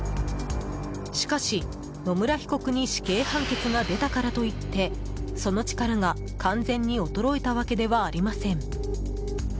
しかし、野村被告に死刑判決が出たからといってその力が完全に衰えたわけではありません。